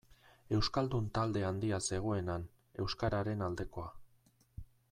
Euskaldun talde handia zegoen han, euskararen aldekoa.